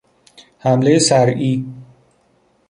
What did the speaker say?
حملهی صرعی